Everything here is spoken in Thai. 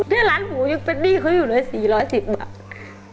นี่ร้านหูยังเป็นหนี้เขาอยู่เลย๔๑๐บาท